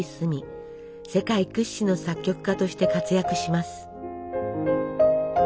世界屈指の作曲家として活躍します。